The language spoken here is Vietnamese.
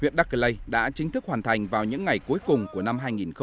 cây lây đã chính thức hoàn thành vào những ngày cuối cùng của năm hai nghìn một mươi chín